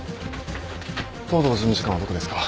藤堂事務次官はどこですか？